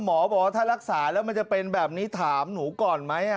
หมอบอกว่าถ้ารักษาแล้วมันจะเป็นแบบนี้ถามหนูก่อนไหม